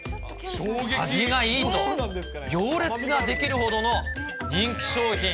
味がいいと、行列が出来るほどの人気商品。